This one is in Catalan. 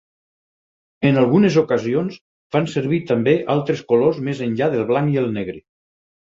En algunes ocasions fan servir també altres colors més enllà del blanc i el negre.